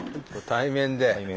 対面で。